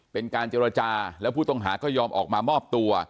เป็นการเจรจาแล้วผู้ต้องหาก็ยอมออกมามอบตัว